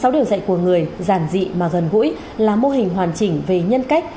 sáu điều dạy của người giản dị mà gần gũi là mô hình hoàn chỉnh về nhân cách